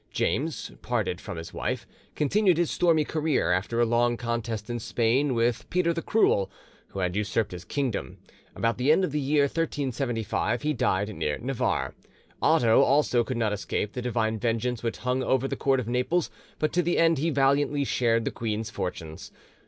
James, parted from his wife, continued his stormy career, after a long contest in Spain with Peter the Cruel, who had usurped his kingdom: about the end of the year 1375 he died near Navarre. Otho also could not escape the Divine vengeance which hung over the court of Naples, but to the end he valiantly shared the queen's fortunes.